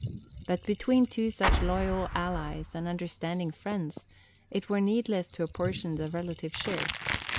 But between two such loyal allies and understanding friends, it were needless to apportion the relative shares.